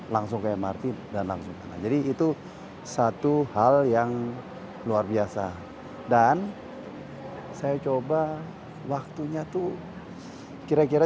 langsung ke mrt dan langsung jadi itu satu hal yang luar biasa dan saya coba waktunya tuh kira kira